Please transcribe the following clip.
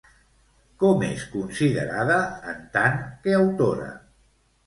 Com és considerada, en tant que autora?